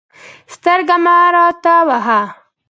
سترګې مه راته وهه.